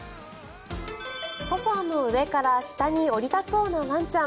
ソファの上から下に下りたそうなワンちゃん。